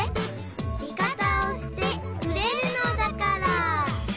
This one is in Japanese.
「味方をしてくれるのだから」